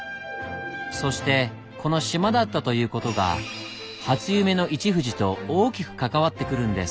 そしてこの島だったという事が初夢の「一富士」と大きく関わってくるんです。